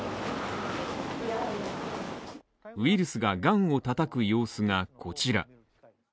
ウイルスががんを叩く様子がこちら。